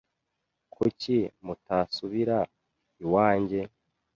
Kuki mutasubira iwanjye?